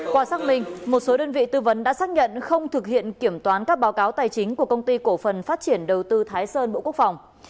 qua xác minh một số đơn vị tư vấn đã xác nhận không thực hiện kiểm toán các báo cáo tài chính của công ty cổ phần phát triển đầu tư thái sơn bộ quốc phòng